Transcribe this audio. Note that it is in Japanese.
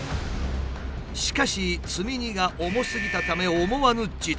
しかし積み荷が重すぎたため思わぬ事態に。